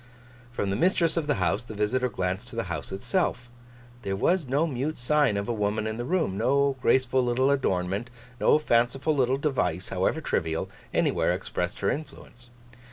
From the mistress of the house, the visitor glanced to the house itself. There was no mute sign of a woman in the room. No graceful little adornment, no fanciful little device, however trivial, anywhere expressed her influence.